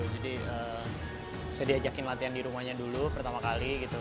jadi saya diajakin latihan di rumahnya dulu pertama kali gitu